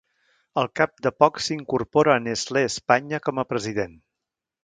Al cap de poc s'incorpora a Nestlé Espanya com a president.